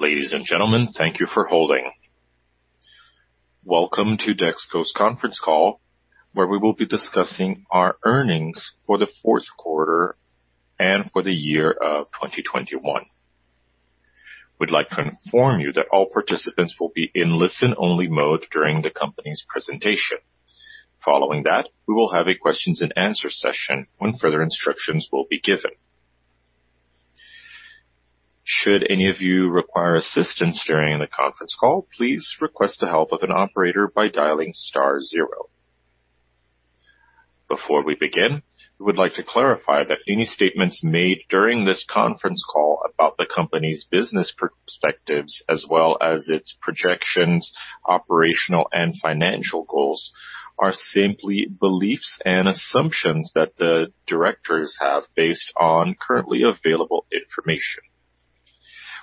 Ladies and gentlemen, thank you for holding. Welcome to Dexco's conference call, where we will be discussing our earnings for the fourth quarter and for the year of 2021. We'd like to inform you that all participants will be in listen-only mode during the company's presentation. Following that, we will have a question and answer session when further instructions will be given. Should any of you require assistance during the conference call, please request the help of an operator by dialing star zero. Before we begin, we would like to clarify that any statements made during this conference call about the company's business perspectives as well as its projections, operational and financial goals, are simply beliefs and assumptions that the directors have based on currently available information.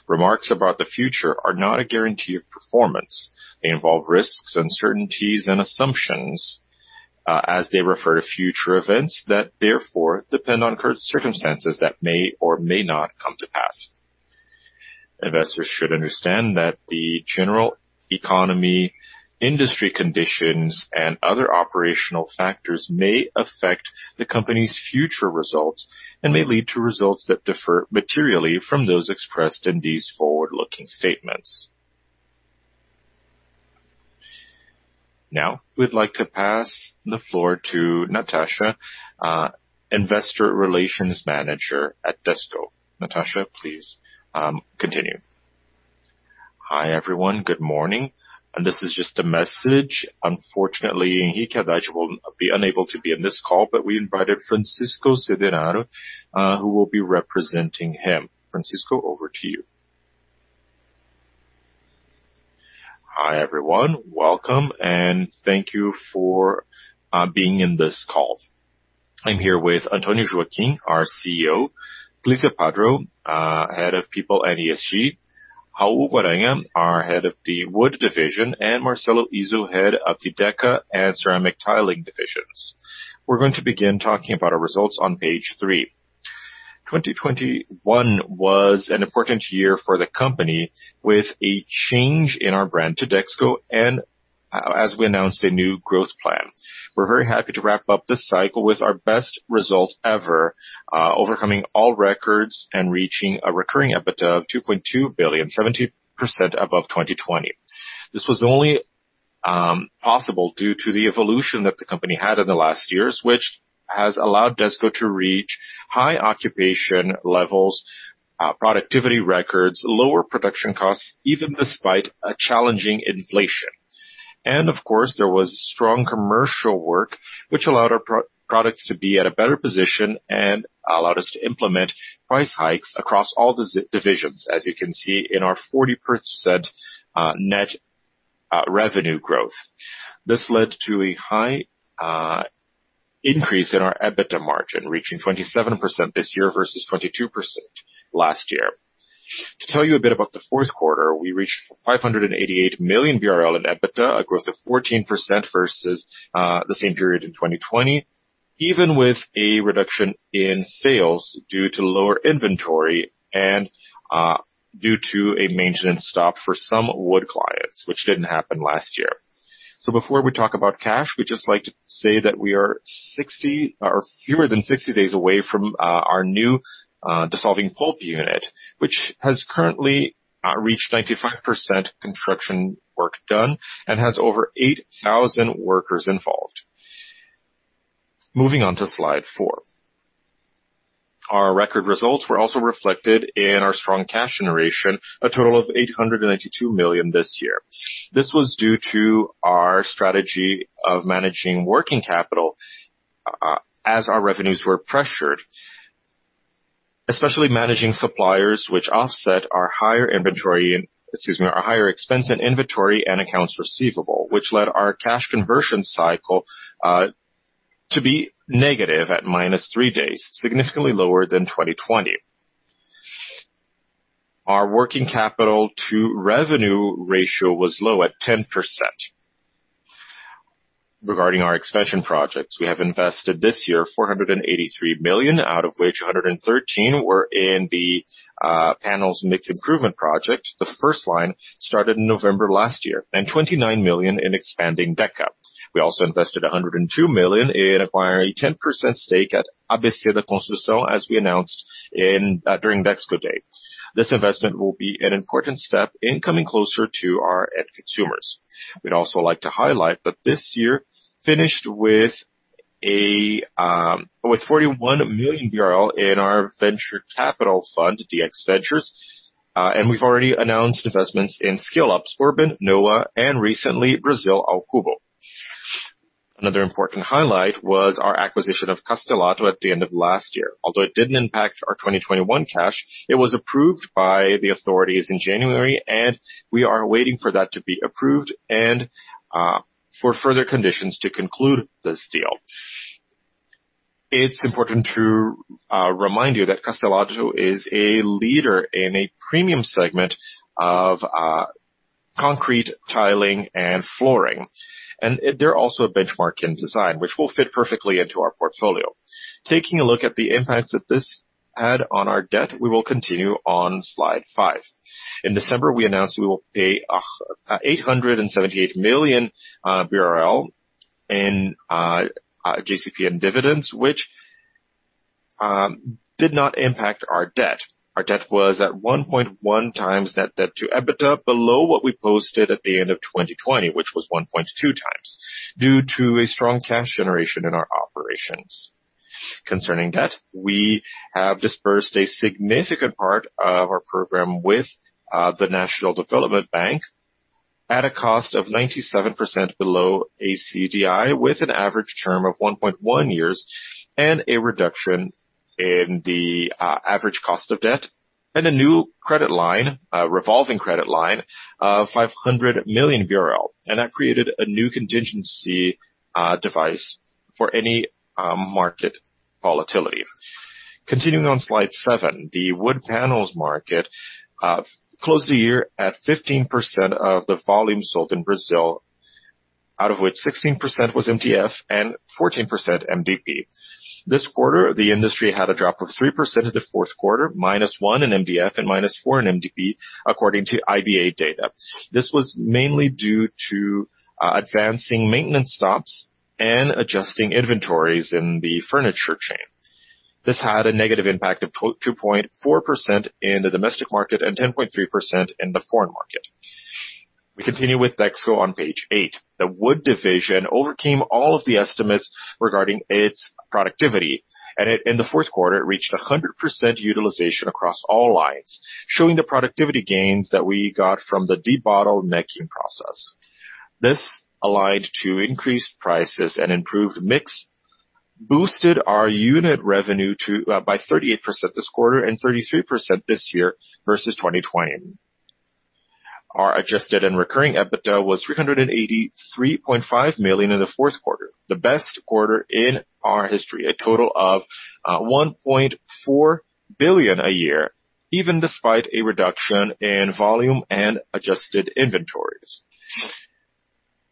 Remarks about the future are not a guarantee of performance. They involve risks, uncertainties, and assumptions, as they refer to future events that therefore depend on circumstances that may or may not come to pass. Investors should understand that the general economy, industry conditions, and other operational factors may affect the company's future results and may lead to results that differ materially from those expressed in these forward-looking statements. Now, we'd like to pass the floor to Natasha, investor relations manager at Dexco. Natasha, please, continue. Hi, everyone. Good morning. This is just a message. Unfortunately, Henrique Cademartori will be unable to be on this call, but we invited Francisco Semeraro, who will be representing him. Francisco, over to you. Hi, everyone. Welcome, and thank you for being in this call. I'm here with Antonio Joaquim, our CEO, Glizia Maria do Prado, Head of People and ESG, Raul Guimarães Guaragna, our Head of the Wood Division, and Marcelo Izzo, Head of the Deca and Coatings Divisions. We're going to begin talking about our results on page three. 2021 was an important year for the company with a change in our brand to Dexco and as we announced a new growth plan. We're very happy to wrap up this cycle with our best results ever, overcoming all records and reaching a recurring EBITDA of 2.2 billion, 70% above 2020. This was only possible due to the evolution that the company had in the last years, which has allowed Dexco to reach high occupation levels, productivity records, lower production costs, even despite a challenging inflation. Of course, there was strong commercial work which allowed our core products to be at a better position and allowed us to implement price hikes across all the divisions, as you can see in our 40% net revenue growth. This led to a high increase in our EBITDA margin, reaching 27% this year versus 22% last year. To tell you a bit about the fourth quarter, we reached 588 million BRL in EBITDA, a growth of 14% versus the same period in 2020, even with a reduction in sales due to lower inventory and due to a maintenance stop for some wood clients, which didn't happen last year. Before we talk about cash, we'd just like to say that we are 60 days or fewer than 60 days away from our new dissolving pulp unit, which has currently reached 95% construction work done and has over 8,000 workers involved. Moving on to slide four. Our record results were also reflected in our strong cash generation, a total of 892 million this year. This was due to our strategy of managing working capital as our revenues were pressured, especially managing suppliers which offset our higher expense in inventory and accounts receivable, which led our cash conversion cycle to be negative at -3 days, significantly lower than 2020. Our working capital to revenue ratio was low at 10%. Regarding our expansion projects, we have invested this year 483 million, out of which 113 were in the panels mix improvement project. The first line started in November last year, and BRL 29 million in expanding Deca. We also invested BRL 102 million in acquiring a 10% stake at ABC da Construção, as we announced during Dexco Day. This investment will be an important step in coming closer to our end consumers. We'd also like to highlight that this year finished with 41 million BRL in our venture capital fund, DX Ventures. We've already announced investments in scale-ups, Urbem, Noah, and recently, Brasil ao Cubo. Another important highlight was our acquisition of Castelatto at the end of last year. Although it didn't impact our 2021 cash, it was approved by the authorities in January, and we are waiting for that to be approved and for further conditions to conclude this deal. It's important to remind you that Castelatto is a leader in a premium segment of concrete tiling and flooring. They're also a benchmark in design, which will fit perfectly into our portfolio. Taking a look at the impacts that this had on our debt, we will continue on slide five. In December, we announced we will pay 878 million BRL in JCP dividends, which did not impact our debt. Our debt was at 1.1x net debt to EBITDA below what we posted at the end of 2020, which was 1.2x due to a strong cash generation in our operations. Concerning debt, we have disbursed a significant part of our program with the National Development Bank at a cost of 97% below CDI, with an average term of 1.1 years and a reduction in the average cost of debt, and a new credit line, revolving credit line of 500 million. That created a new contingency device for any market volatility. Continuing on slide seven, the wood panels market closed the year at 15% of the volume sold in Brazil, out of which 16% was MDF and 14% MDP. This quarter, the industry had a drop of 3% of the fourth quarter, -1% in MDF and -4% in MDP, according to Ibá data. This was mainly due to advancing maintenance stops and adjusting inventories in the furniture chain. This had a negative impact of 2.4% in the domestic market and 10.3% in the foreign market. We continue with Dexco on page eight. The wood division overcame all of the estimates regarding its productivity, and in the fourth quarter, it reached 100% utilization across all lines, showing the productivity gains that we got from the debottlenecking process. This aligned to increased prices and improved mix, boosted our unit revenue up by 38% this quarter and 33% this year versus 2020. Our adjusted and recurring EBITDA was 383.5 million in the fourth quarter, the best quarter in our history, a total of 1.4 billion a year, even despite a reduction in volume and adjusted inventories.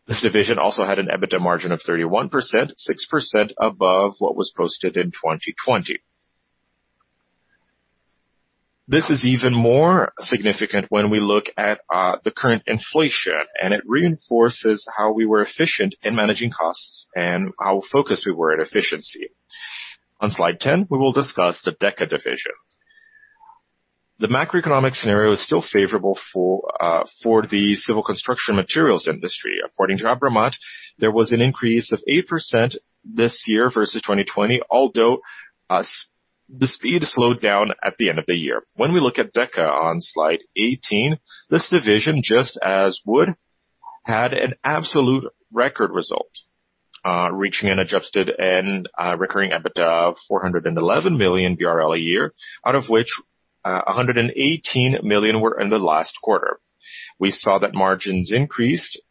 This division also had an EBITDA margin of 31%, 6% above what was posted in 2020. This is even more significant when we look at the current inflation, and it reinforces how we were efficient in managing costs and how focused we were at efficiency. On slide 10, we will discuss the Deca division. The macroeconomic scenario is still favorable for the civil construction materials industry. According to ABRAMAT, there was an increase of 8% this year versus 2020, although the speed slowed down at the end of the year. When we look at Deca on slide 18, this division, just as wood, had an absolute record result, reaching an adjusted and recurring EBITDA of 411 million a year, out of which 118 million were in the last quarter. We saw that margins increased.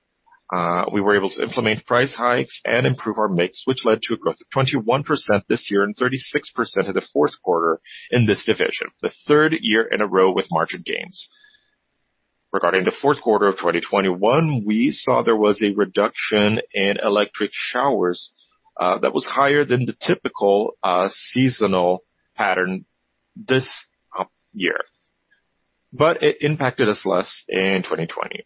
We were able to implement price hikes and improve our mix, which led to a growth of 21% this year and 36% in the fourth quarter in this division, the third year in a row with margin gains. Regarding the fourth quarter of 2021, we saw there was a reduction in electric showers that was higher than the typical seasonal pattern this year, but it impacted us less in 2020.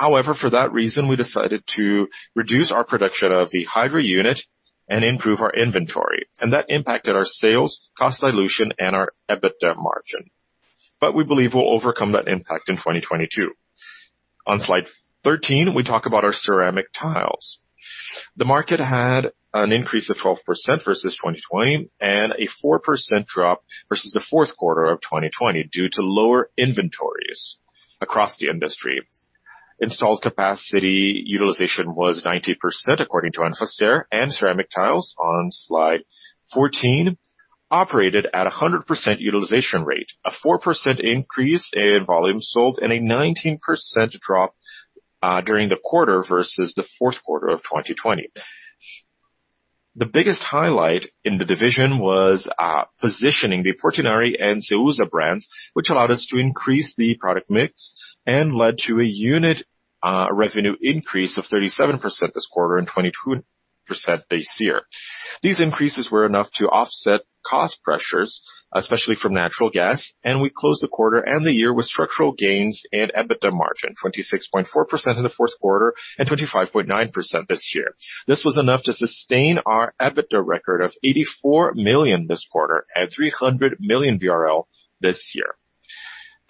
However, for that reason, we decided to reduce our production of the hydro unit and improve our inventory, and that impacted our sales, cost dilution and our EBITDA margin. We believe we'll overcome that impact in 2022. On slide 13, we talk about our ceramic tiles. The market had an increase of 12% versus 2020 and a 4% drop versus the fourth quarter of 2020 due to lower inventories across the industry. Installed capacity utilization was 90% according to Anfacer, and ceramic tiles on slide 14 operated at a 100% utilization rate, a 4% increase in volume sold and a 19% drop during the quarter versus the fourth quarter of 2020. The biggest highlight in the division was positioning the Portinari and Ceusa brands, which allowed us to increase the product mix and led to a unit revenue increase of 37% this quarter and 22% this year. These increases were enough to offset cost pressures, especially from natural gas, and we closed the quarter and the year with structural gains and EBITDA margin, 26.4% in the fourth quarter and 25.9% this year. This was enough to sustain our EBITDA record of 84 million this quarter and 300 million BRL this year.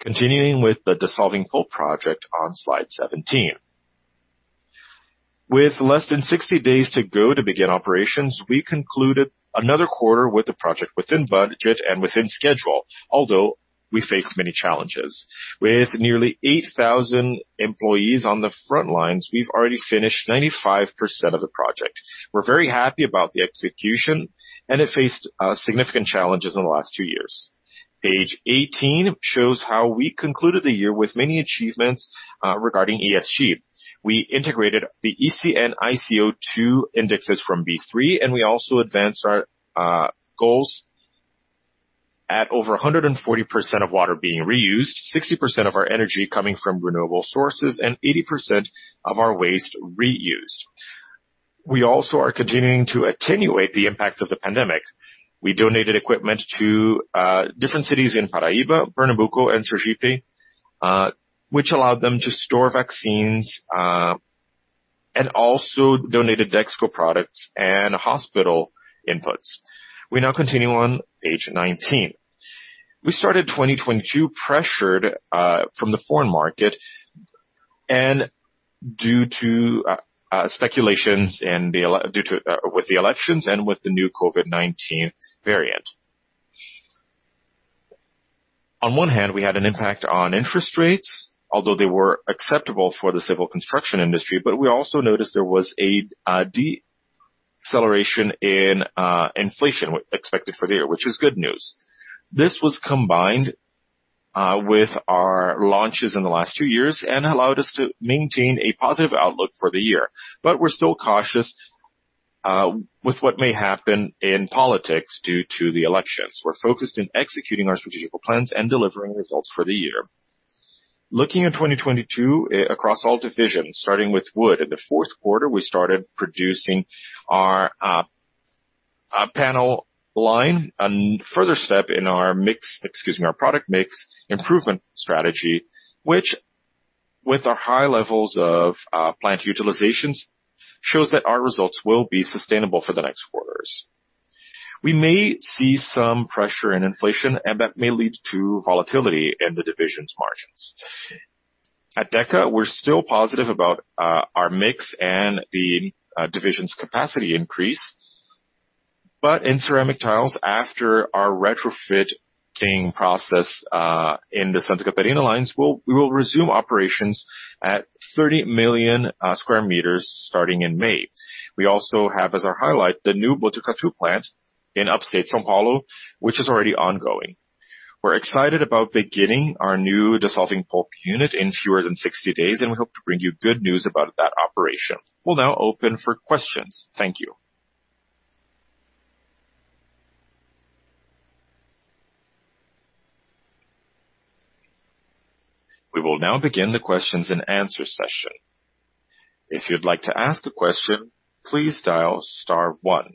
Continuing with the dissolving pulp project on slide 17. With less than 60 days to go to begin operations, we concluded another quarter with the project within budget and within schedule although we faced many challenges. With nearly 8,000 employees on the front lines, we've already finished 95% of the project. We're very happy about the execution, and it faced significant challenges in the last two years. Page 18 shows how we concluded the year with many achievements regarding ESG. We integrated the ESG and ICO2 indexes from B3, and we also advanced our goals at over 140% of water being reused, 60% of our energy coming from renewable sources, and 80% of our waste reused. We also are continuing to attenuate the impact of the pandemic. We donated equipment to different cities in Paraíba, Pernambuco, and Sergipe, which allowed them to store vaccines, and also donated Dexco products and hospital inputs. We now continue on page 19. We started 2022 pressured from the foreign market and due to speculations and the elections and with the new COVID-19 variant. On one hand, we had an impact on interest rates, although they were acceptable for the civil construction industry, but we also noticed there was a deceleration in inflation expected for the year, which is good news. This was combined with our launches in the last two years and allowed us to maintain a positive outlook for the year. We're still cautious with what may happen in politics due to the elections. We're focused in executing our strategic plans and delivering results for the year. Looking at 2022 across all divisions, starting with wood. In the fourth quarter, we started producing our panel line, a further step in our product mix improvement strategy. Which, with our high levels of plant utilization, shows that our results will be sustainable for the next quarters. We may see some pressure in inflation, and that may lead to volatility in the division's margins. At Deca, we're still positive about our mix and the division's capacity increase. In ceramic tiles, after our retrofitting process in the Santa Catarina lines, we will resume operations at 30 million sq m starting in May. We also have, as our highlight, the new Botucatu plant in upstate São Paulo, which is already ongoing. We're excited about beginning our new dissolving pulp unit in fewer than 60 days, and we hope to bring you good news about that operation. We'll now open for questions. Thank you. We will now begin question and answer session. If you would like to ask a question please dial star one,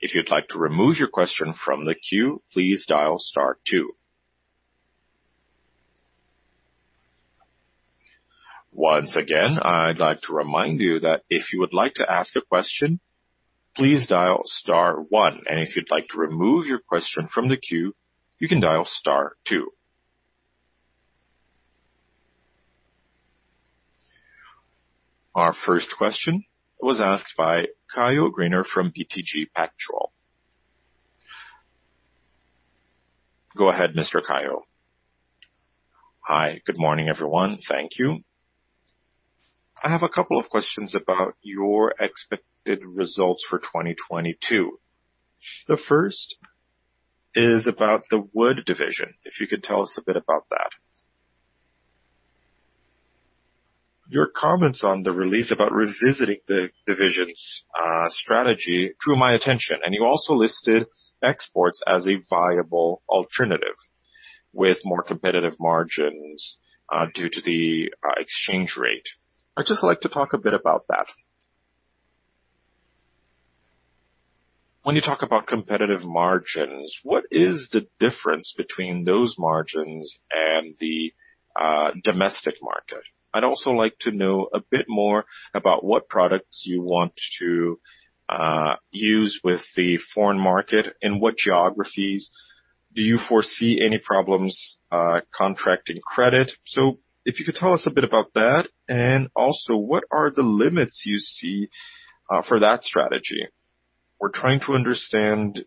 if you would like to remove your question from the queue please dial star two. Once again I would like to remind you that if you would like to ask a question please dial star one and if you would like to remove your question from the queue you can dial star two. Our first question was asked by Caio Greiner from BTG Pactual. Go ahead Mr. Caio. Hi. Good morning, everyone. Thank you. I have a couple of questions about your expected results for 2022. The first is about the wood division, if you could tell us a bit about that. Your comments on the release about revisiting the division's strategy drew my attention, and you also listed exports as a viable alternative with more competitive margins due to the exchange rate. I'd just like to talk a bit about that. When you talk about competitive margins, what is the difference between those margins and the domestic market? I'd like to know a bit more about what products you want to use with the foreign market. In what geographies do you foresee any problems contracting credit? If you could tell us a bit about that. What are the limits you see for that strategy? We're trying to understand,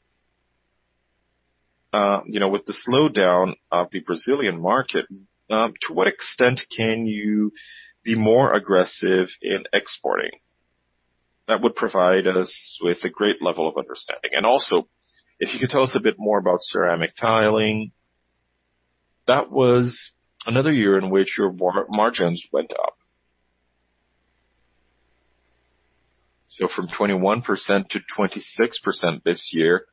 you know, with the slowdown of the Brazilian market, to what extent can you be more aggressive in exporting? That would provide us with a great level of understanding. If you could tell us a bit more about ceramic tiling. That was another year in which your margins went up. From 21% to 26% this year,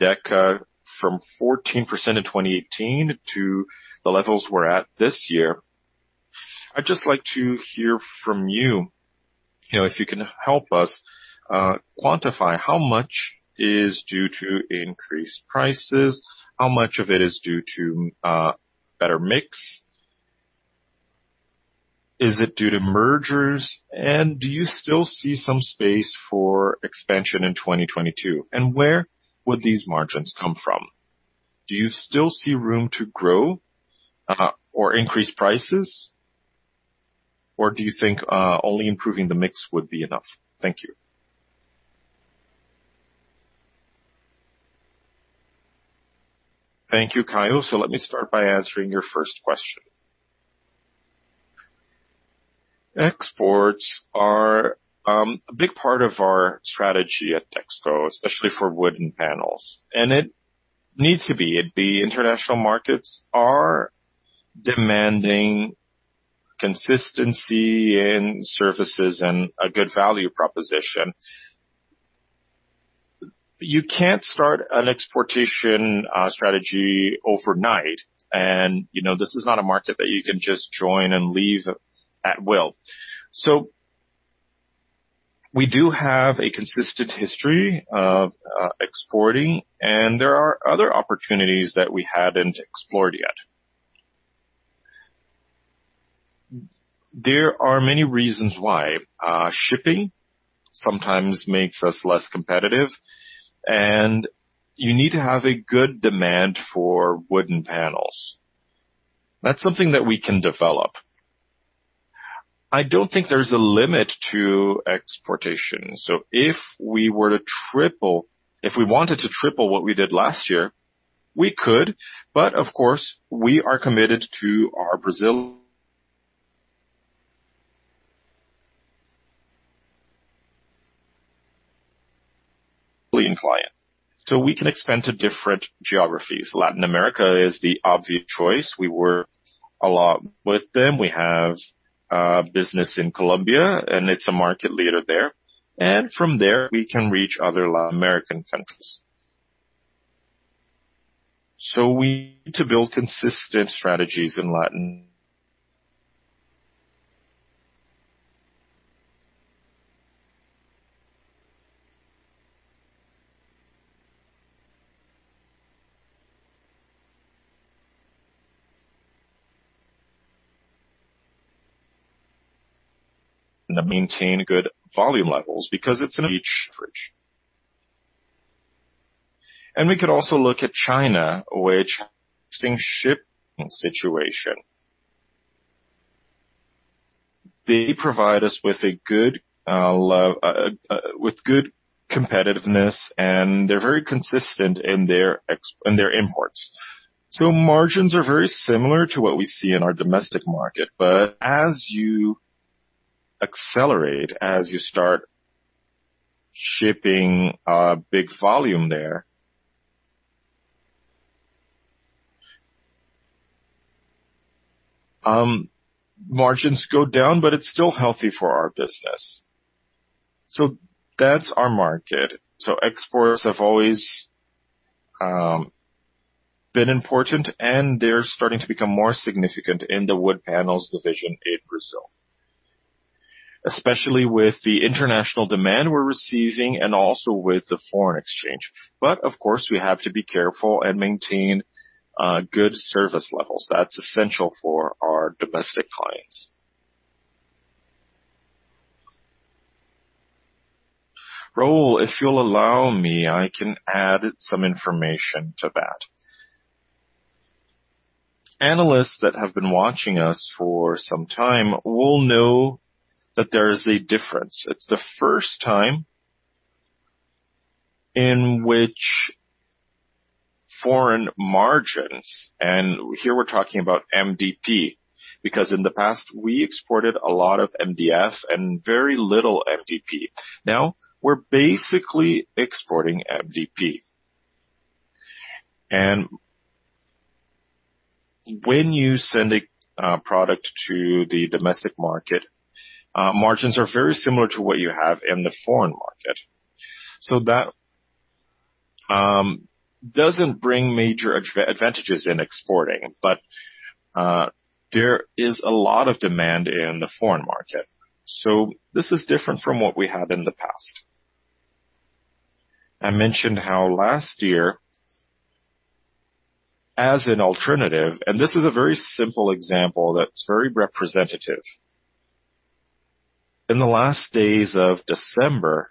Deca from 14% in 2018 to the levels we're at this year. I'd just like to hear from you know, if you can help us quantify how much is due to increased prices, how much of it is due to better mix. Is it due to mergers? Do you still see some space for expansion in 2022? Where would these margins come from? Do you still see room to grow, or increase prices? Or do you think only improving the mix would be enough? Thank you. Thank you, Caio. Let me start by answering your first question. Exports are a big part of our strategy at Dexco, especially for wood and panels, and it needs to be. The international markets are demanding consistency in services and a good value proposition. You can't start an exportation strategy overnight. You know, this is not a market that you can just join and leave at will. We do have a consistent history of exporting, and there are other opportunities that we haven't explored yet. There are many reasons why shipping sometimes makes us less competitive, and you need to have a good demand for wooden panels. That's something that we can develop. I don't think there's a limit to exportation. If we wanted to triple what we did last year, we could, but of course, we are committed to our Brazilian lead client. We can expand to different geographies. Latin America is the obvious choice. We work a lot with them. We have business in Colombia, and it's a market leader there. From there, we can reach other Latin American countries. We need to build consistent strategies in Latin and maintain good volume levels because it's an edge. We could also look at China. Interesting shipping situation. They provide us with good competitiveness, and they're very consistent in their imports. Margins are very similar to what we see in our domestic market. As you accelerate, as you start shipping a big volume there, margins go down, but it's still healthy for our business. That's our market. Exports have always been important, and they're starting to become more significant in the wood panels division in Brazil, especially with the international demand we're receiving and also with the foreign exchange. Of course, we have to be careful and maintain good service levels. That's essential for our domestic clients. Raul, if you'll allow me, I can add some information to that. Analysts that have been watching us for some time will know that there is a difference. It's the first time in which foreign margins, and here we're talking about MDP, because in the past, we exported a lot of MDF and very little MDP. Now, we're basically exporting MDP. When you send a product to the domestic market, margins are very similar to what you have in the foreign market. That doesn't bring major advantages in exporting, but there is a lot of demand in the foreign market. This is different from what we had in the past. I mentioned how last year, as an alternative, and this is a very simple example that's very representative. In the last days of December,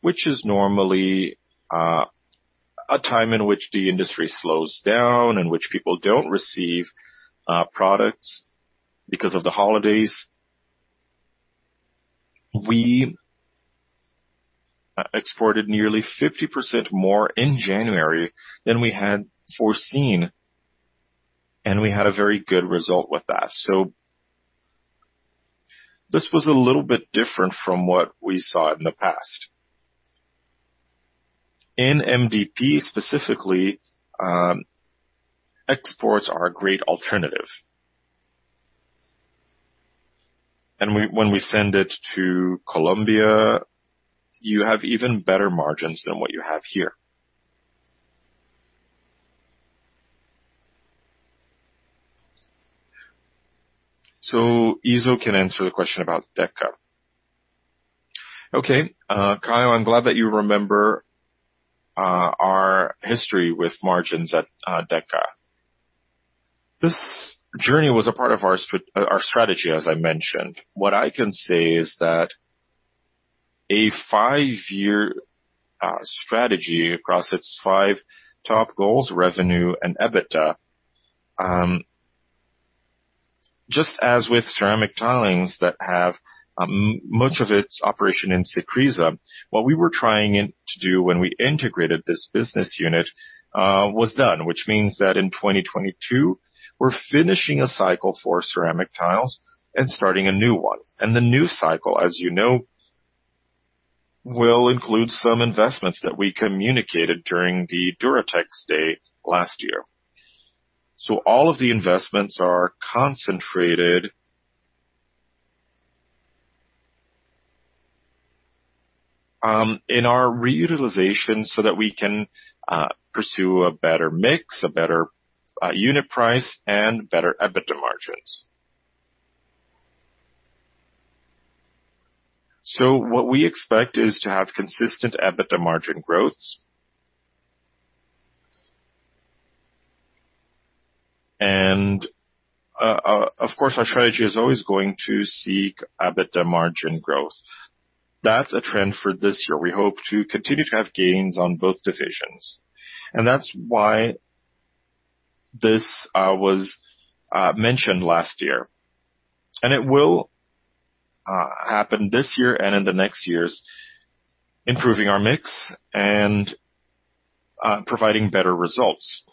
which is normally a time in which the industry slows down and which people don't receive products because of the holidays, we exported nearly 50% more in January than we had foreseen, and we had a very good result with that. This was a little bit different from what we saw in the past. In MDP, specifically, exports are a great alternative. When we send it to Colombia, you have even better margins than what you have here. Izzo can answer the question about Deca. Okay. Caio, I'm glad that you remember our history with margins at Deca. This journey was a part of our strategy, as I mentioned. What I can say is that a five-year strategy across its five top goals, revenue, and EBITDA, just as with ceramic tiles that have much of its operation in Cecrisa, what we were trying to do when we integrated this business unit was done, which means that in 2022, we're finishing a cycle for ceramic tiles and starting a new one. The new cycle, as you know, will include some investments that we communicated during the Duratex Day last year. All of the investments are concentrated in our utilization so that we can pursue a better mix, a better unit price, and better EBITDA margins. What we expect is to have consistent EBITDA margin growths. Of course, our strategy is always going to seek EBITDA margin growth. That's a trend for this year. We hope to continue to have gains on both divisions. That's why this was mentioned last year. It will happen this year and in the next years, improving our mix and providing better results.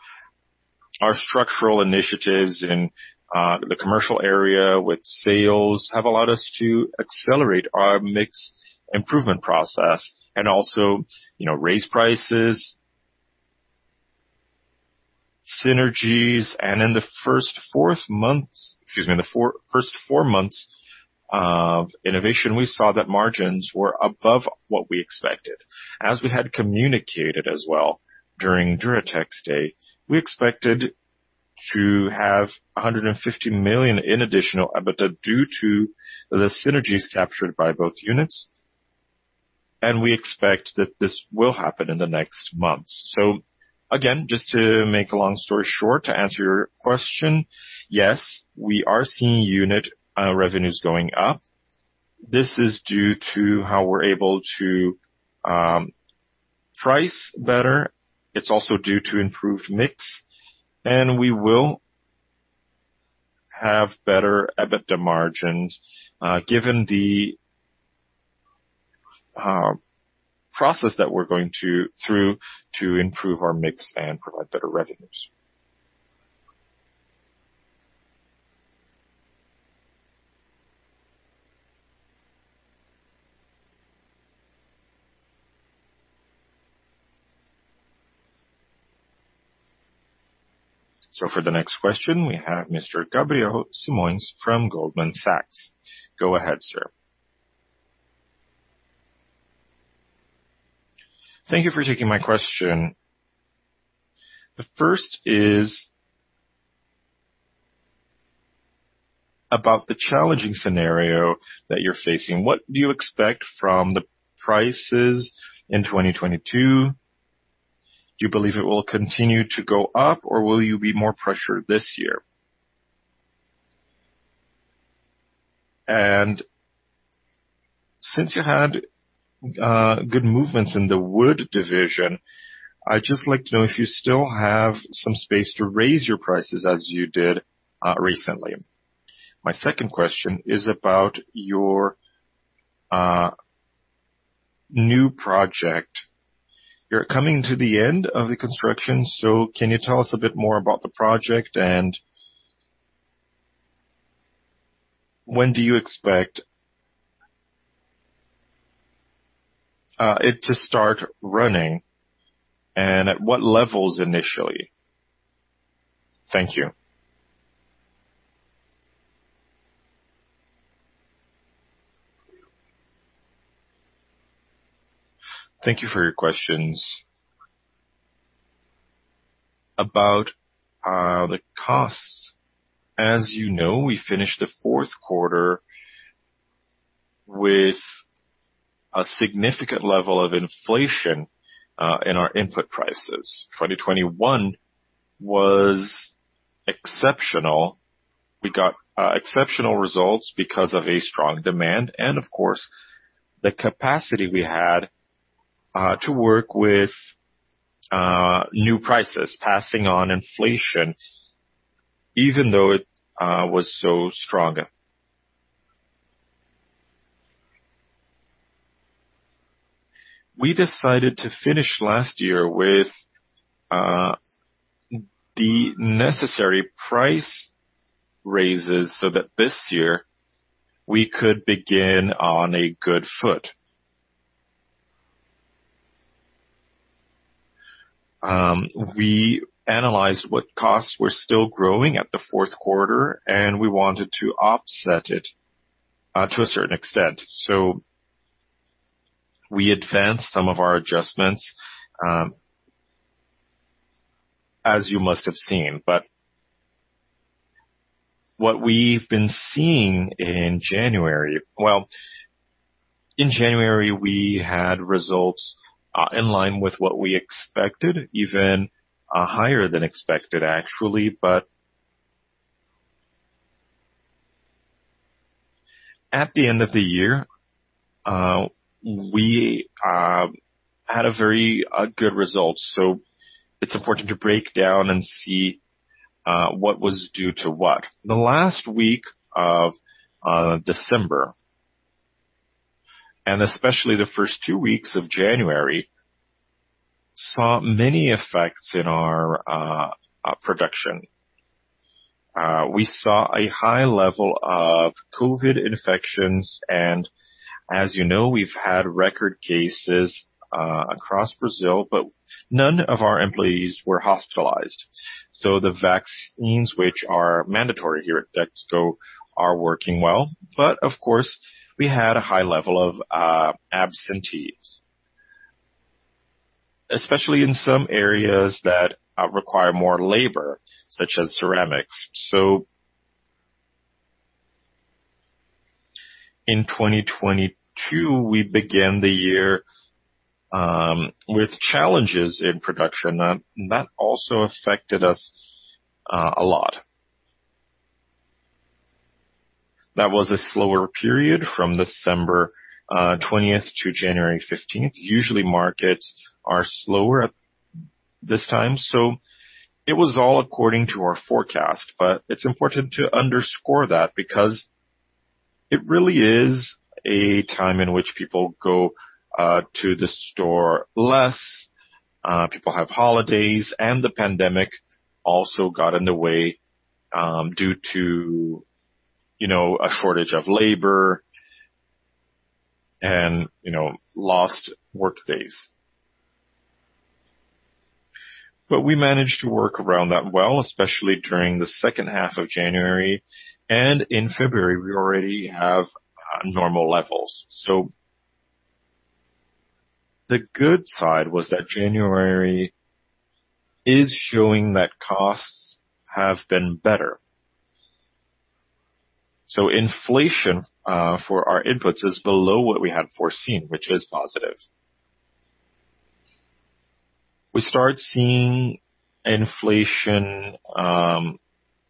Our structural initiatives in the commercial area with sales have allowed us to accelerate our mix improvement process and also, you know, raise prices, synergies. In the first four months of the year, we saw that margins were above what we expected. As we had communicated as well during Duratex Day, we expected to have 150 million in additional EBITDA due to the synergies captured by both units, and we expect that this will happen in the next months. Again, just to make a long story short, to answer your question, yes, we are seeing unit revenues going up. This is due to how we're able to price better. It's also due to improved mix, and we will have better EBITDA margins, given the process that we're going through to improve our mix and provide better revenues. For the next question, we have Mr. Gabriel Simões from Goldman Sachs. Go ahead, sir. Thank you for taking my question. The first is about the challenging scenario that you're facing. What do you expect from the prices in 2022? Do you believe it will continue to go up, or will you be more pressured this year? Since you had good movements in the wood division, I'd just like to know if you still have some space to raise your prices as you did recently. My second question is about your new project. You're coming to the end of the construction, so can you tell us a bit more about the project, and when do you expect it to start running, and at what levels initially? Thank you. Thank you for your questions. About the costs, as you know, we finished the fourth quarter with a significant level of inflation in our input prices. 2021 was exceptional. We got exceptional results because of a strong demand and, of course, the capacity we had to work with new prices, passing on inflation, even though it was so strong. We decided to finish last year with the necessary price raises so that this year we could begin on a good foot. We analyzed what costs were still growing at the fourth quarter, and we wanted to offset it to a certain extent. We advanced some of our adjustments as you must have seen. What we've been seeing in January. Well, in January, we had results in line with what we expected, even higher than expected, actually. At the end of the year we had a very good result. It's important to break down and see what was due to what. The last week of December, and especially the first two weeks of January saw many effects in our production. We saw a high level of COVID infections, and as you know, we've had record cases across Brazil, but none of our employees were hospitalized. The vaccines, which are mandatory here at Dexco, are working well. Of course, we had a high level of absentees, especially in some areas that require more labor, such as ceramics. In 2022, we began the year with challenges in production. That also affected us a lot. That was a slower period from December 20 to January 15. Usually, markets are slower at this time, so it was all according to our forecast. It's important to underscore that because it really is a time in which people go to the store less, people have holidays, and the pandemic also got in the way, due to, you know, a shortage of labor and, you know, lost workdays. We managed to work around that well, especially during the second half of January. In February, we already have normal levels. The good side was that January is showing that costs have been better. Inflation for our inputs is below what we had foreseen, which is positive. We start seeing inflation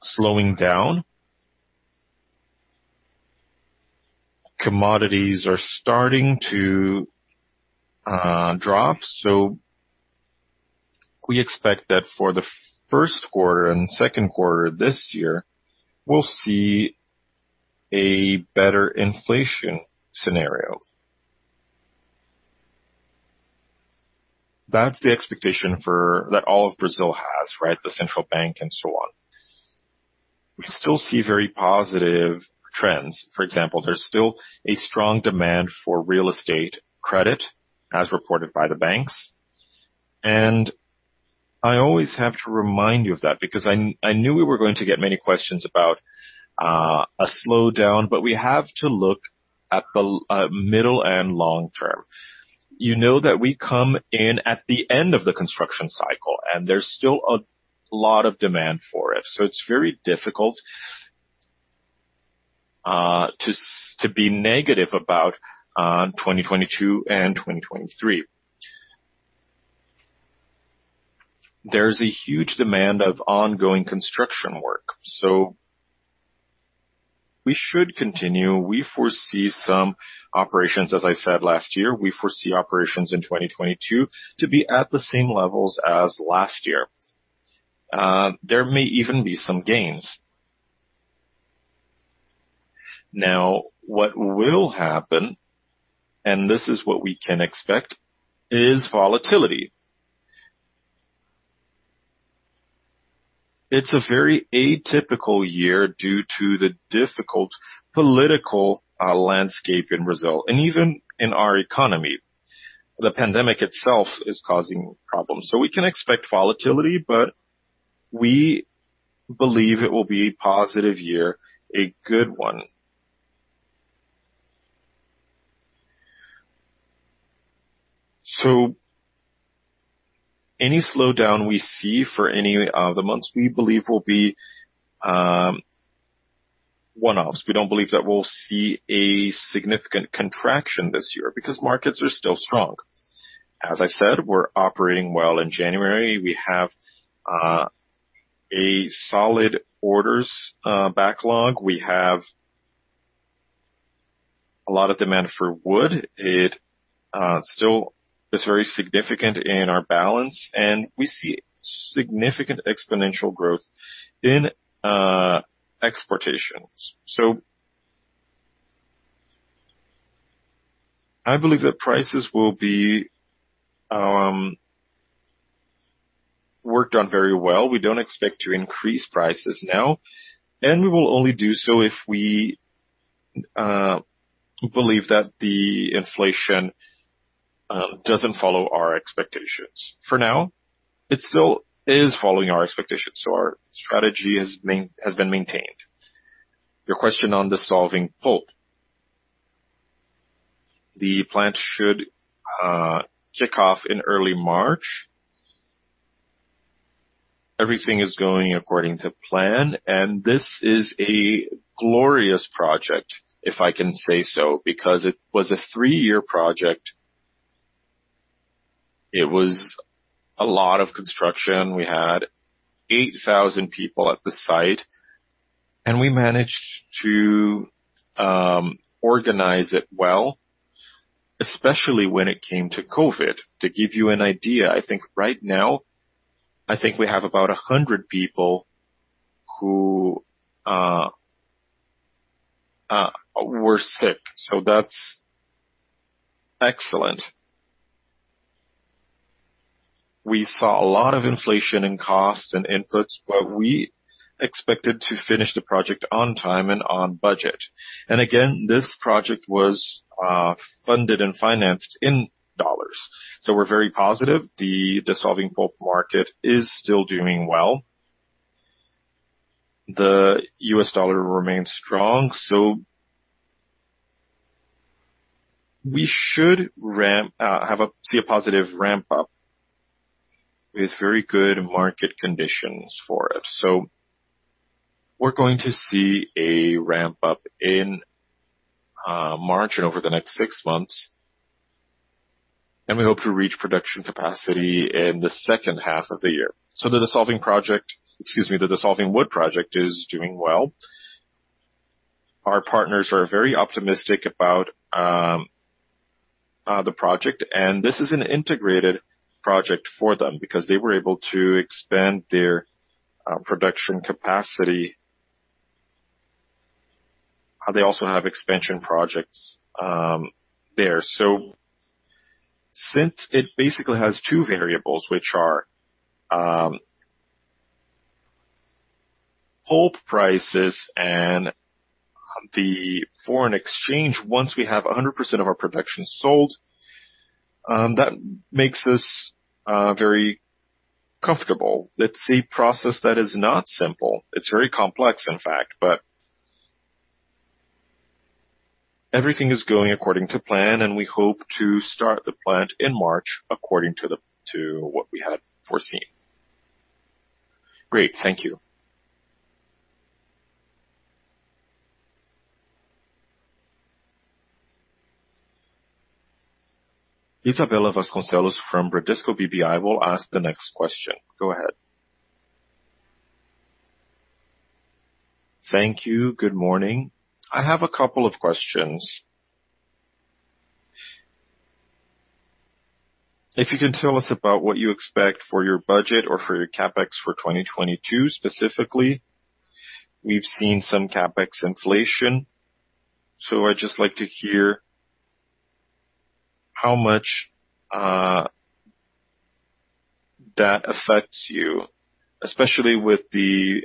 slowing down. Commodities are starting to drop. We expect that for the first quarter and second quarter this year, we'll see a better inflation scenario. That's the expectation that all of Brazil has, right? The central bank and so on. We still see very positive trends. For example, there's still a strong demand for real estate credit as reported by the banks. I always have to remind you of that because I knew we were going to get many questions about a slowdown, but we have to look at the middle and long term. You know that we come in at the end of the construction cycle, and there's still a lot of demand for it. It's very difficult to be negative about 2022 and 2023. There's a huge demand of ongoing construction work. We should continue. We foresee some operations, as I said last year. We foresee operations in 2022 to be at the same levels as last year. There may even be some gains. Now, what will happen, and this is what we can expect, is volatility. It's a very atypical year due to the difficult political landscape in Brazil and even in our economy. The pandemic itself is causing problems. We can expect volatility, but we believe it will be a positive year, a good one. Any slowdown we see for any of the months, we believe will be one-offs. We don't believe that we'll see a significant contraction this year because markets are still strong. As I said, we're operating well in January. We have a solid orders backlog. We have a lot of demand for wood. It still is very significant in our balance, and we see significant exponential growth in exportations. I believe that prices will be worked on very well. We don't expect to increase prices now, and we will only do so if we believe that the inflation doesn't follow our expectations. For now, it still is following our expectations, so our strategy has been maintained. Your question on dissolving pulp. The plant should kick off in early March. Everything is going according to plan, and this is a glorious project, if I can say so, because it was a three-year project. It was a lot of construction. We had 8,000 people at the site, and we managed to organize it well, especially when it came to COVID. To give you an idea, I think right now, I think we have about 100 people who were sick. So that's excellent. We saw a lot of inflation in costs and inputs, but we expected to finish the project on time and on budget. This project was funded and financed in dollars. We're very positive. The dissolving pulp market is still doing well. The U.S. dollar remains strong, we should see a positive ramp up with very good market conditions for it. We're going to see a ramp up in March and over the next six months, and we hope to reach production capacity in the second half of the year. The dissolving project, excuse me, the dissolving pulp project is doing well. Our partners are very optimistic about the project. This is an integrated project for them because they were able to expand their production capacity. They also have expansion projects there. Since it basically has two variables, which are pulp prices and the foreign exchange, once we have 100% of our production sold, that makes us very comfortable. It's a process that is not simple. It's very complex, in fact, but everything is going according to plan, and we hope to start the plant in March according to what we had foreseen. Great. Thank you. Isabella Vasconcelos from Bradesco BBI will ask the next question. Go ahead. Thank you. Good morning. I have a couple of questions. If you can tell us about what you expect for your budget or for your CapEx for 2022? Specifically, we've seen some CapEx inflation, so I'd just like to hear how much that affects you, especially with the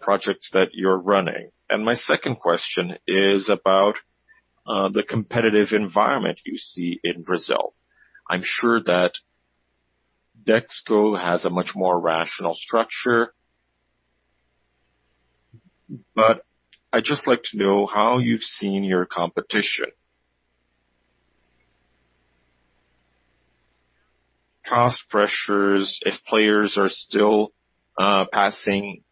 projects that you're running. My second question is about the competitive environment you see in Brazil. I'm sure that Dexco has a much more rational structure. I'd just like to know how you've seen your competition. Cost pressures, if players are still passing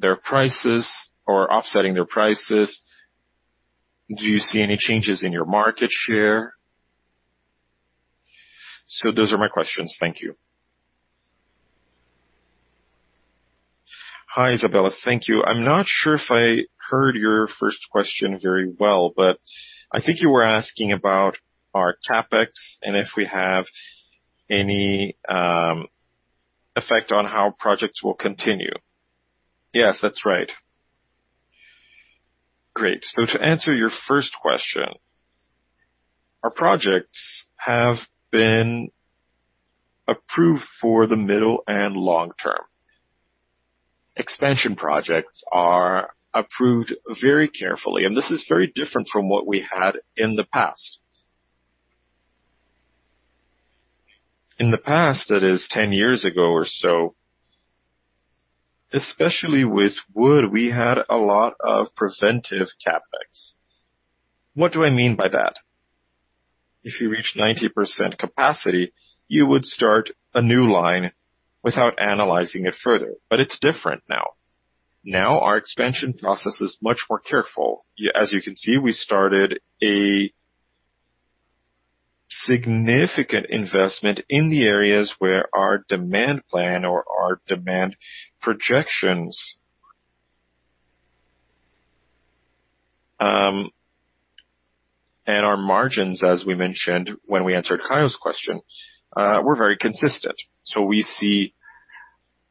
their prices or offsetting their prices. Do you see any changes in your market share? Those are my questions. Thank you. Hi, Isabella. Thank you. I'm not sure if I heard your first question very well, but I think you were asking about our CapEx and if we have any effect on how projects will continue. Yes, that's right. Great. To answer your first question, our projects have been approved for the middle and long-term. Expansion projects are approved very carefully, and this is very different from what we had in the past. In the past, that is 10 years ago or so, especially with wood, we had a lot of preventive CapEx. What do I mean by that? If you reach 90% capacity, you would start a new line without analyzing it further. It's different now. Now, our expansion process is much more careful. As you can see, we started a significant investment in the areas where our demand plan or our demand projections and our margins, as we mentioned when we answered Caio's question, were very consistent. We see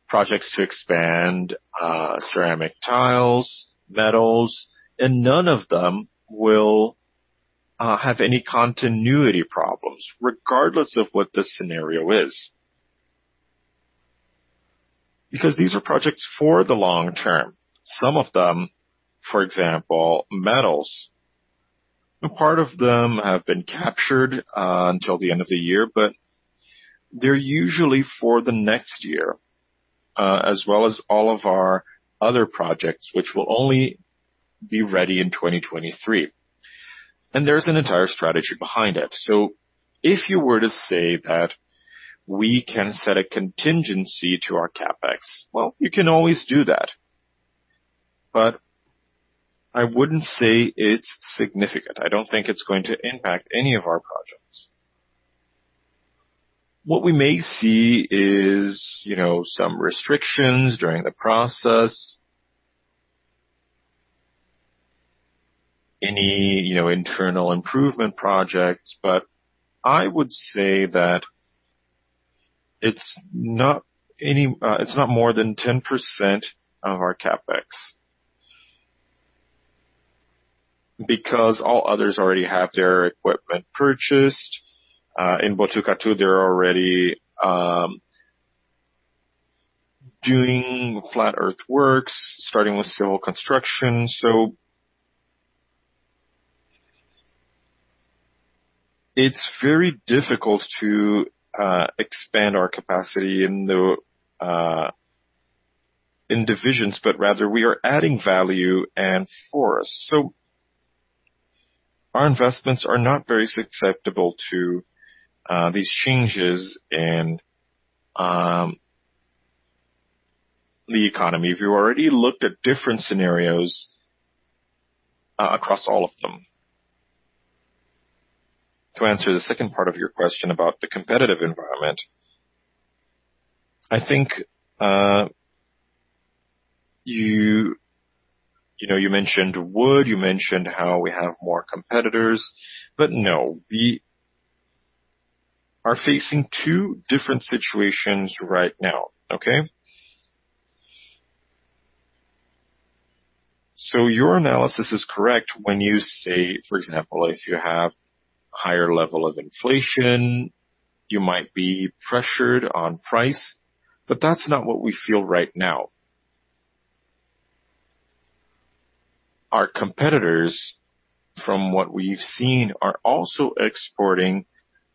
projects to expand ceramic tiles, metals, and none of them will have any continuity problems regardless of what the scenario is. Because these are projects for the long term. Some of them, for example, metals. A part of them have been captured until the end of the year, but they're usually for the next year, as well as all of our other projects, which will only be ready in 2023. There's an entire strategy behind it. If you were to say that we can set a contingency to our CapEx, well, you can always do that, but I wouldn't say it's significant. I don't think it's going to impact any of our projects. What we may see is, you know, some restrictions during the process, you know, internal improvement projects. But I would say that it's not more than 10% of our CapEx. Because all others already have their equipment purchased. In Botucatu, they're already doing flat earthworks, starting with civil construction. It is very difficult to expand our capacity in the divisions, but rather we are adding value and forest. Our investments are not very susceptible to these changes in the economy. We've already looked at different scenarios across all of them. To answer the second part of your question about the competitive environment. I think you know, you mentioned wood, you mentioned how we have more competitors. No, we are facing two different situations right now, okay? Your analysis is correct when you say, for example, if you have higher level of inflation, you might be pressured on price. That's not what we feel right now. Our competitors, from what we've seen, are also exporting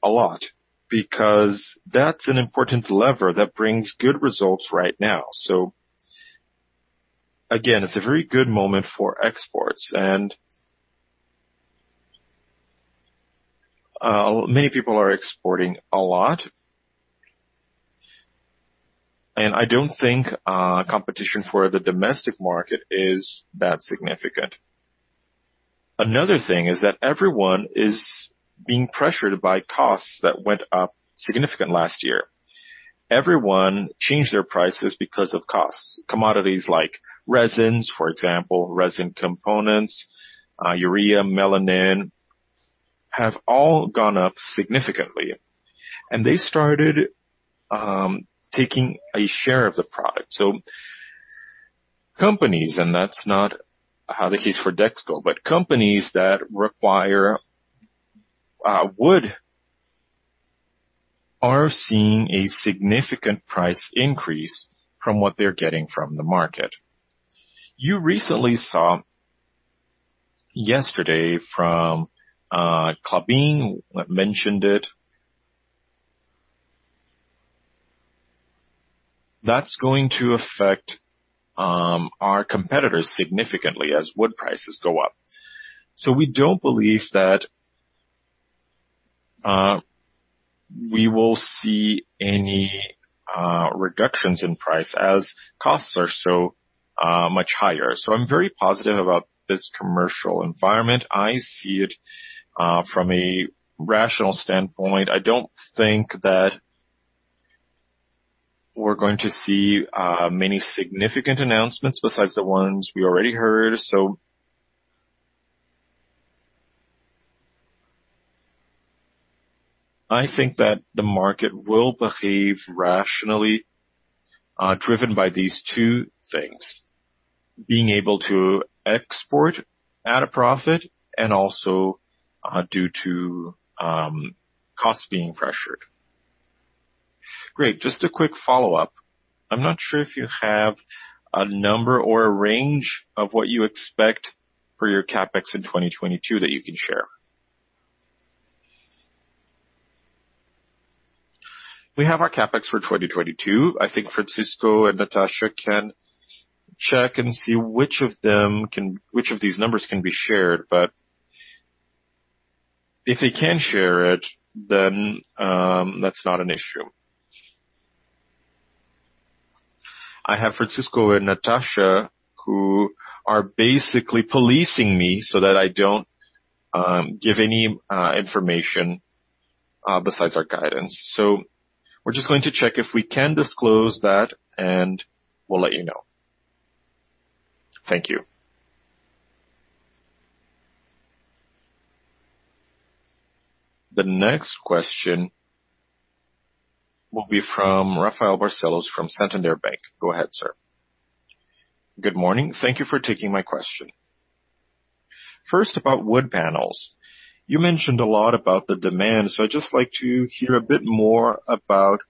a lot because that's an important lever that brings good results right now. Again, it's a very good moment for exports, and many people are exporting a lot. I don't think competition for the domestic market is that significant. Another thing is that everyone is being pressured by costs that went up significant last year. Everyone changed their prices because of costs. Commodities like resins, for example, resin components, urea, melamine, have all gone up significantly. They started taking a share of the product. Companies, and that's not the case for Dexco, but companies that require wood are seeing a significant price increase from what they're getting from the market. You recently saw yesterday from Klabin mentioned it. That's going to affect our competitors significantly as wood prices go up. We don't believe that we will see any reductions in price as costs are so much higher. I'm very positive about this commercial environment. I see it from a rational standpoint. I don't think that we're going to see many significant announcements besides the ones we already heard. I think that the market will behave rationally driven by these two things: being able to export at a profit and also due to costs being pressured. Great. Just a quick follow-up. I'm not sure if you have a number or a range of what you expect for your CapEx in 2022 that you can share. We have our CapEx for 2022. I think Francisco and Natasha can check and see which of these numbers can be shared. But if they can't share it, then that's not an issue. I have Francisco and Natasha, who are basically policing me so that I don't give any information besides our guidance. We're just going to check if we can disclose that, and we'll let you know. Thank you. The next question will be from Rafael Barcelos from Santander Bank. Go ahead, sir. Good morning. Thank you for taking my question. First, about wood panels. You mentioned a lot about the demand, so I'd just like to hear a bit more about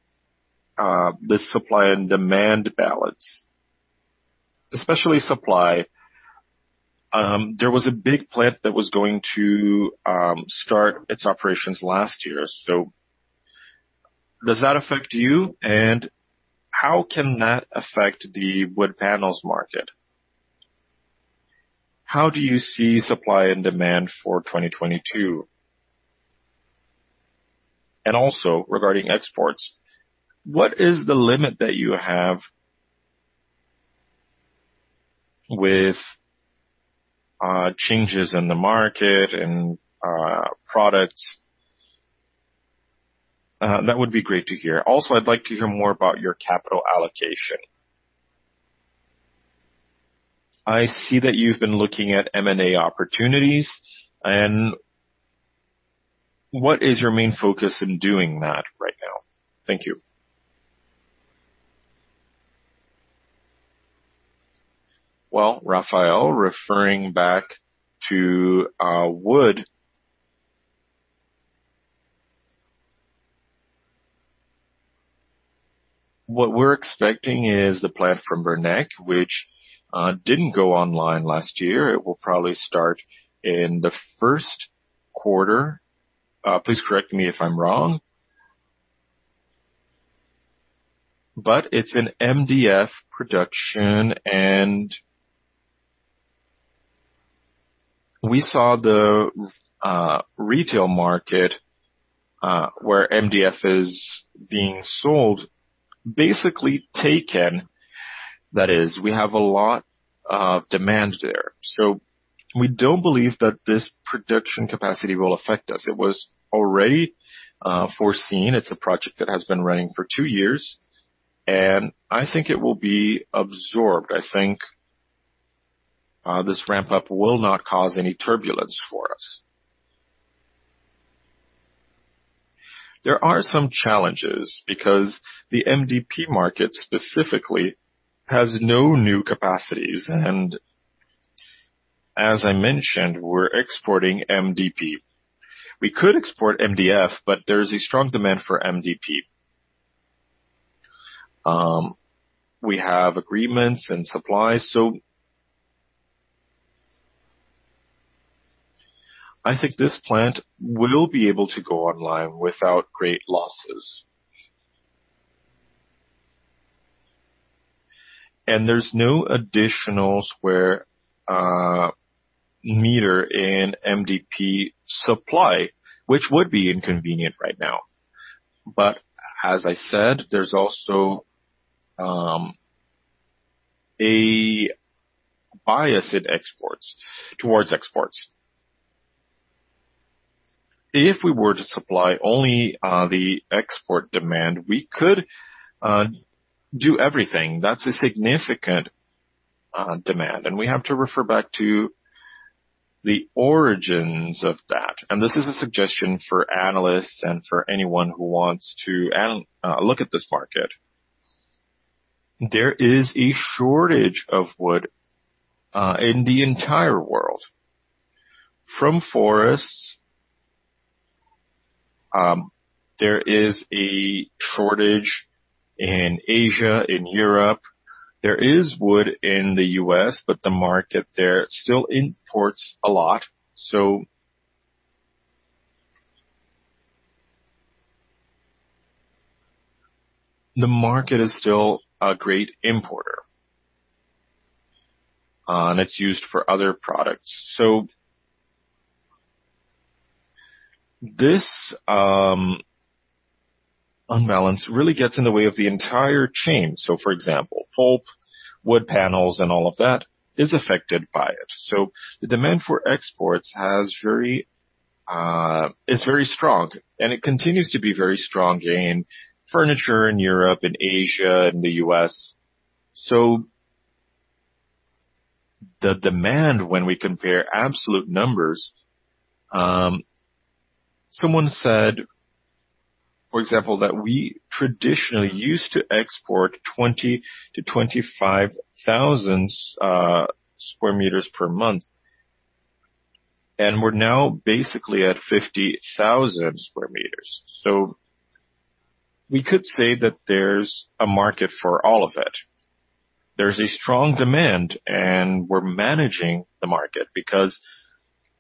the supply and demand balance, especially supply. There was a big plant that was going to start its operations last year. Does that affect you? And how can that affect the wood panels market? How do you see supply and demand for 2022? Also regarding exports, what is the limit that you have with changes in the market and products. That would be great to hear. Also, I'd like to hear more about your capital allocation. I see that you've been looking at M&A opportunities and what is your main focus in doing that right now? Thank you. Well, Rafael, referring back to wood. What we're expecting is the plant from Berneck, which didn't go online last year. It will probably start in the first quarter. Please correct me if I'm wrong. It's an MDF production and we saw the retail market where MDF is being sold, basically taken. That is, we have a lot of demand there. So we don't believe that this production capacity will affect us. It was already foreseen. It's a project that has been running for two years, and I think it will be absorbed. I think this ramp up will not cause any turbulence for us. There are some challenges because the MDP market specifically has no new capacities, and as I mentioned, we're exporting MDP. We could export MDF, but there is a strong demand for MDP. We have agreements and supplies, so I think this plant will be able to go online without great losses. There's no additional square meter in MDP supply, which would be inconvenient right now. As I said, there's also a bias in exports towards exports. If we were to supply only the export demand, we could do everything. That's a significant demand, and we have to refer back to the origins of that. This is a suggestion for analysts and for anyone who wants to look at this market. There is a shortage of wood in the entire world. From forests, there is a shortage in Asia, in Europe. There is wood in the U.S., but the market there still imports a lot, so the market is still a great importer, and it's used for other products. This unbalance really gets in the way of the entire chain. For example, pulp, wood panels, and all of that is affected by it. The demand for exports is very strong and it continues to be very strong in furniture in Europe and Asia and the U.S. The demand, when we compare absolute numbers, someone said, for example, that we traditionally used to export 20,000-25,000 sq m per month, and we're now basically at 50,000 sq m. We could say that there's a market for all of it. There's a strong demand, and we're managing the market because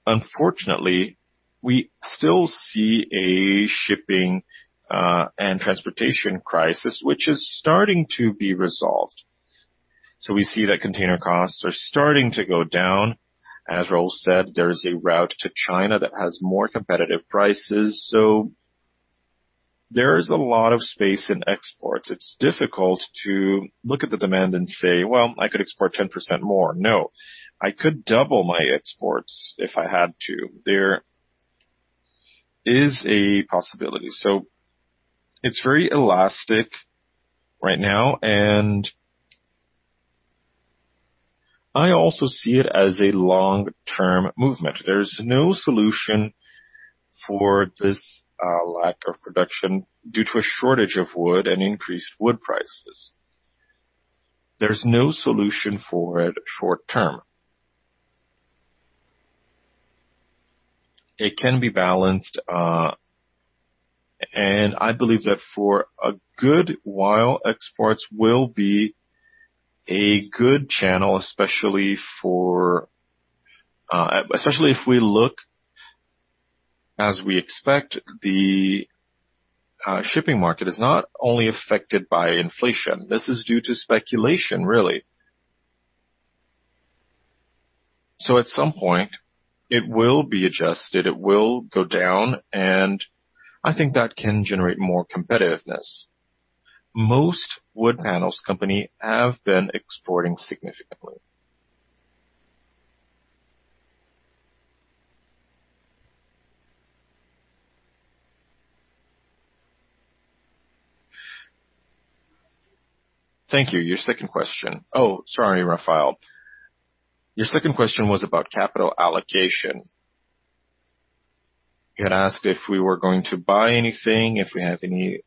unfortunately, we still see a shipping and transportation crisis which is starting to be resolved. We see that container costs are starting to go down. As Raul said, there is a route to China that has more competitive prices. There is a lot of space in exports. It's difficult to look at the demand and say, "Well, I could export 10% more." No. I could double my exports if I had to. There is a possibility. It's very elastic right now, and I also see it as a long-term movement. There's no solution for this, lack of production due to a shortage of wood and increased wood prices. There's no solution for it short-term. It can be balanced, and I believe that for a good while, exports will be a good channel, especially if we look as we expect, the shipping market is not only affected by inflation. This is due to speculation, really. At some point, it will be adjusted, it will go down, and I think that can generate more competitiveness. Most wood panels company have been exporting significantly. Thank you. Your second question. Oh, sorry, Rafael. Your second question was about capital allocation. You had asked if we were going to buy anything, if we have any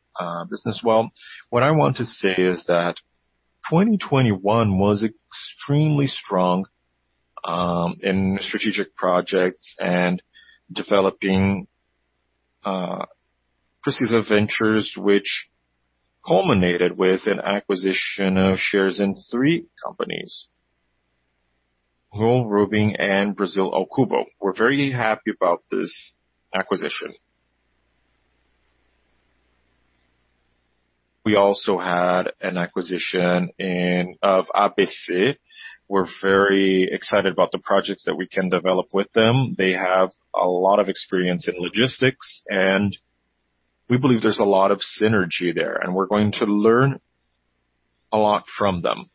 business. Well, what I want to say is that 2021 was extremely strong in strategic projects and developing DX Ventures which culminated with an acquisition of shares in three companies, Noah, Urbem, and Brasil ao Cubo. We're very happy about this acquisition. We also had an acquisition of ABC. We're very excited about the projects that we can develop with them. They have a lot of experience in logistics, and we believe there's a lot of synergy there, and we're going to learn a lot from them.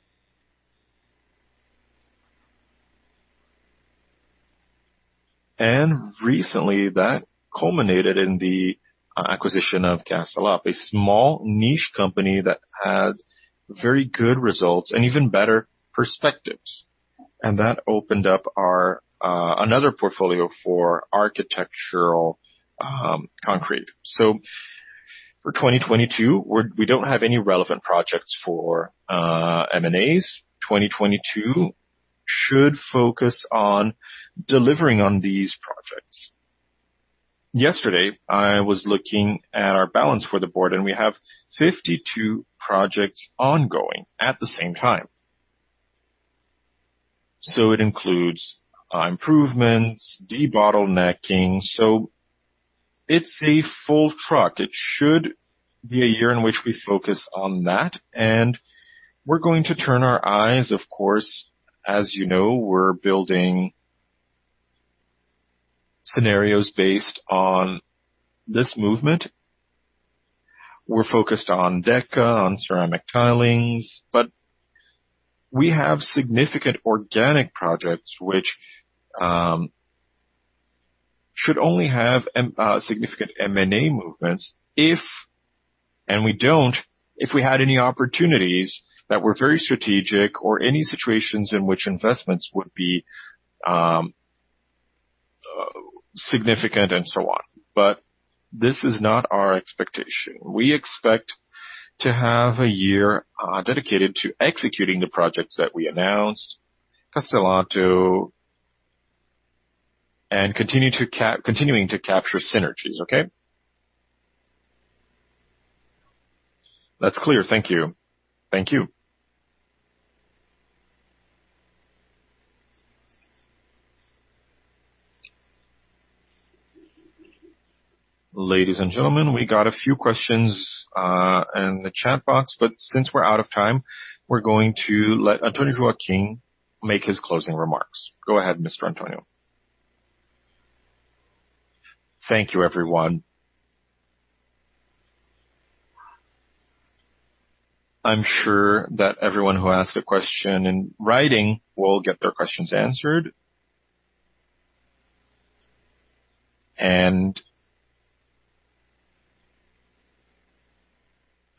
Recently, that culminated in the acquisition of Castelatto, a small niche company that had very good results and even better perspectives. That opened up another portfolio for architectural concrete. For 2022, we don't have any relevant projects for M&As. 2022 should focus on delivering on these projects. Yesterday, I was looking at our CapEx for the board, and we have 52 projects ongoing at the same time. It includes improvements, debottlenecking. It's a full truck. It should be a year in which we focus on that, and we're going to turn our eyes, of course, as you know, we're building scenarios based on this movement. We're focused on Deca, on ceramic tiles, but we have significant organic projects which should only have significant M&A movements if we had any opportunities that were very strategic or any situations in which investments would be significant and so on. This is not our expectation. We expect to have a year dedicated to executing the projects that we announced, Castelatto, and continuing to capture synergies. Okay? That's clear. Thank you. Thank you. Ladies and gentlemen, we got a few questions in the chat box, but since we're out of time, we're going to let Antonio Joaquim make his closing remarks. Go ahead, Mr. Antonio. Thank you, everyone. I'm sure that everyone who asked a question in writing will get their questions answered.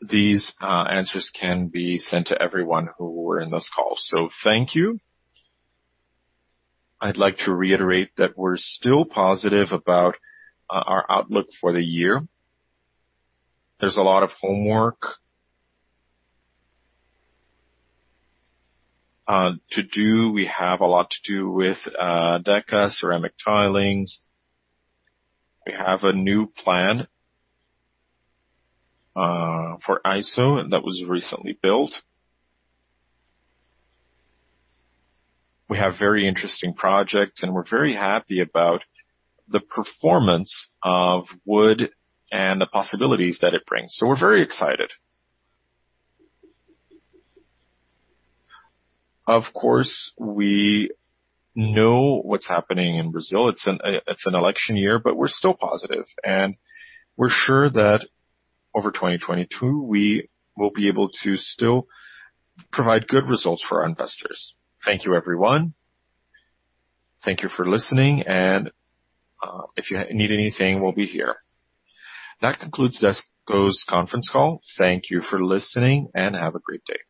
These answers can be sent to everyone who were in this call. Thank you. I'd like to reiterate that we're still positive about our outlook for the year. There's a lot of homework to do. We have a lot to do with Deca, ceramic tiles. We have a new plant for ISO, and that was recently built. We have very interesting projects, and we're very happy about the performance of wood and the possibilities that it brings. We're very excited. Of course, we know what's happening in Brazil. It's an election year, but we're still positive, and we're sure that over 2022, we will be able to still provide good results for our investors. Thank you, everyone. Thank you for listening, and if you need anything, we'll be here. That concludes Dexco's conference call. Thank you for listening, and have a great day.